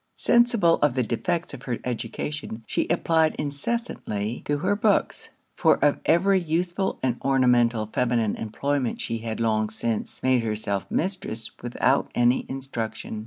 Sensible of the defects of her education, she applied incessantly to her books; for of every useful and ornamental feminine employment she had long since made herself mistress without any instruction.